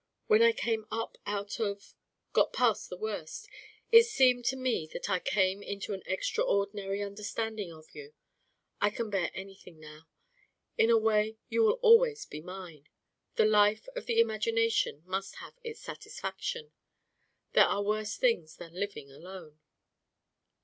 When I came up out of got past the worst, it seemed to me that I came into an extraordinary understanding of you. I can bear anything now. In a way, you will always be mine. The life of the imagination must have its satisfactions. There are worse things than living alone."